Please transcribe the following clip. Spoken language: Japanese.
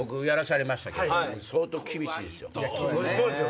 相当厳しいですよ。